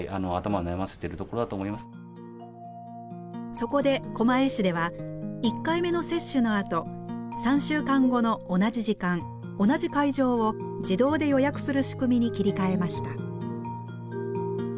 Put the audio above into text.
そこで狛江市では１回目の接種のあと３週間後の同じ時間同じ会場を自動で予約する仕組みに切り替えました。